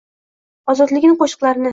Ozodlikning qo’shiqlarini.